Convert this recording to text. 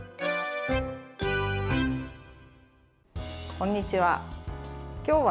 こんにちは。